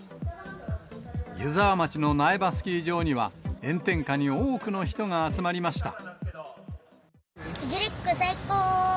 湯沢町の苗場スキー場には、炎天下に多くの人が集まりました。